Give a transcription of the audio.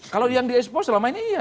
kalau yang di expo selama ini iya